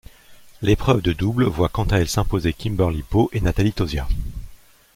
L'épreuve de double voit quant à elle s'imposer Kimberly Po et Nathalie Tauziat.